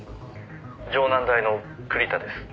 「城南大の栗田です」